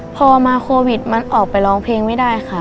พอมาโควิดมันออกไปร้องเพลงไม่ได้ค่ะ